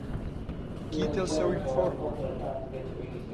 Qui té el seu informe?